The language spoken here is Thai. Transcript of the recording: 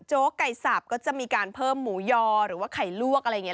ไก่สับก็จะมีการเพิ่มหมูยอหรือว่าไข่ลวกอะไรอย่างนี้